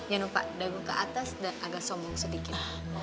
ya numpak dagu ke atas dan agak sombong sedikit